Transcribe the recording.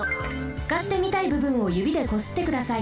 すかしてみたいぶぶんをゆびでこすってください。